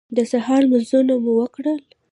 د سهار لمونځونه مو وکړل.